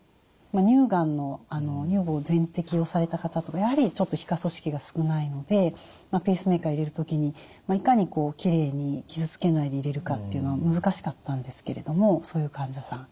乳がんの乳房全摘をされた方とかやはりちょっと皮下組織が少ないのでペースメーカー入れる時にいかにきれいに傷つけないで入れるかっていうのは難しかったんですけれどもそういう患者さん。